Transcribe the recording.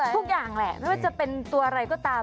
ทุกอย่างแหละไม่ว่าจะเป็นตัวอะไรก็ตาม